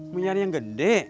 mau nyari yang gede